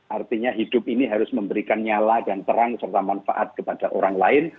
artinya hidup ini harus memberikan nyala dan terang serta manfaat kepada orang lain